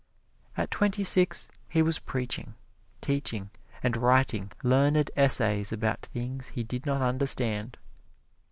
At twenty six he was preaching, teaching and writing learned essays about things he did not understand.